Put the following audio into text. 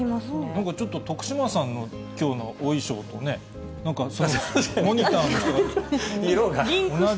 なんかちょっと徳島さんのきょうのお衣装とね、なんか、モニターの人が。